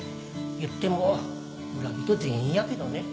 言っても村人全員やけどね